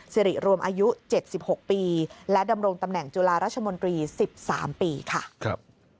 สิริรวมอายุ๗๖ปีและดำรงตำแหน่งจุฬาราชมนตรี๑๓ปีค่ะ